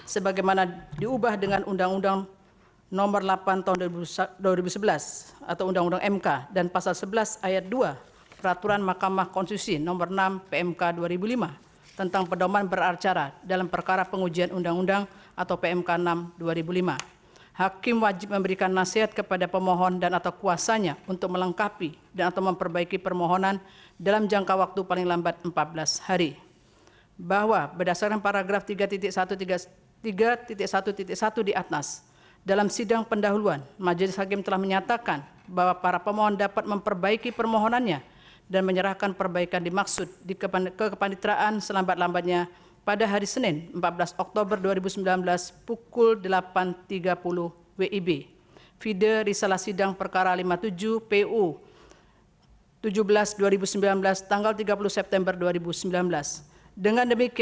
sebagaimana diubah dengan undang undang no delapan tahun dua ribu sebelas atau undang undang mk dan pasal sebelas ayat dua peraturan mahkamah konstitusi no enam pmk dua ribu lima